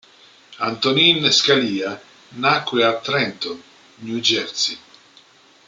Antonin Scalia nacque a Trenton, New Jersey.